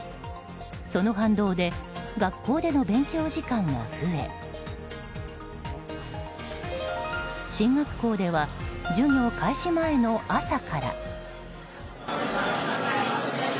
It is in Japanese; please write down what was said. その反動で学校での勉強時間が増え進学校では授業開始前の朝から。